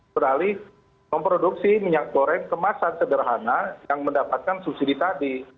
beralih memproduksi minyak goreng kemasan sederhana yang mendapatkan subsidi tadi